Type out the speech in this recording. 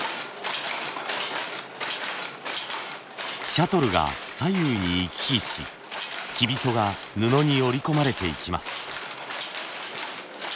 シャトルが左右に行き来しきびそが布に織り込まれていきます。